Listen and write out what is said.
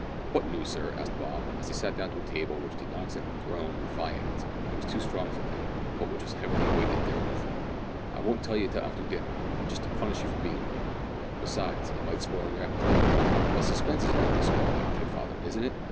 "What news, sir?" asked Bob, as they sat down to a table which did not exactly "groan" with viands it was too strong for that but which was heavily weighted therewith. "I won't tell you till after dinner just to punish you for being late; besides, it might spoil your appetite." "But suspense is apt to spoil appetite, father, isn't it?"